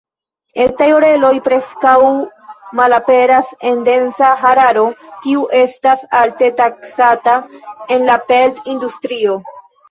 Etaj oreloj preskaŭ malaperas en densa hararo, kiu estas alte taksata en la pelt-industrio.